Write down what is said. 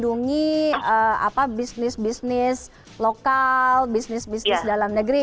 melindungi bisnis bisnis lokal bisnis bisnis dalam negeri